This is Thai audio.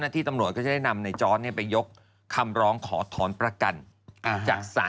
นี่มันก็หลบได้ไม่ใช่มันหลบไม่ได้